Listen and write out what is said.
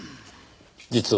実は。